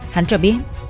hắn cho biết